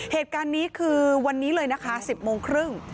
เหตุการณ์นี้คือวันนี้เลยนะคะ๑๐โมงครึ่ง